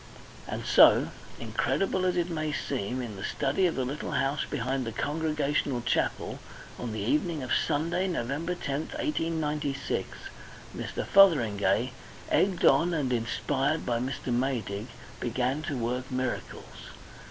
And so, incredible as it may seem, in the study of the little house behind the Congregational Chapel, on the evening of Sunday, Nov. 10, 1896, Mr. Fotheringay, egged on and inspired by Mr. Maydig, began to work miracles.